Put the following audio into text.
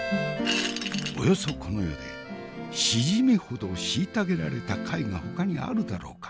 およそこの世でしじみほど虐げられた貝がほかにあるだろうか。